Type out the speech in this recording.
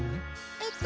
えっと